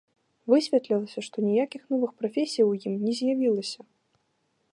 Высветлілася, што ніякіх новых прафесій у ім не з'явілася.